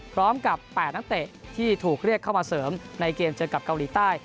๘นักเตะที่ถูกเรียกเข้ามาเสริมในเกมเจอกับเกาหลีใต้